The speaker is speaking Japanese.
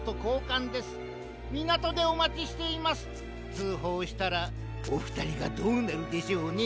つうほうしたらおふたりがどうなるでしょうね。